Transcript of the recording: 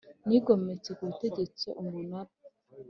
Nigometse ku butegetsi Umunara